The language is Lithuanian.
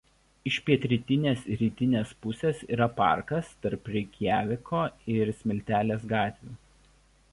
Iš pietrytinės ir rytinės pusės yra parkas tarp Reikjaviko ir Smiltelės gatvių.